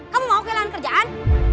kamu mau kehilangan kerjaan